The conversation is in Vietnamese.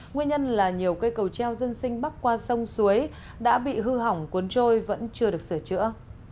nguyên nhân là nhiều cây cầu treo dân sinh bắc qua sông suối đã bị hư hỏng cuốn trôi vẫn chưa được sửa chữa